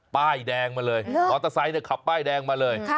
ป้ายแดงมาเลยมอเตอร์ไซค์ขับป้ายแดงมาเลย